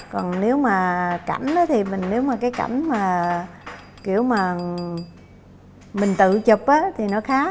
còn nếu mà cảnh á thì mình nếu mà cái cảnh mà kiểu mà mình tự chụp á thì nó khác